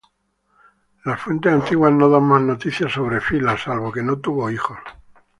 Las fuentes antiguas no dan más noticias sobre Fila, salvo que no tuvo hijos.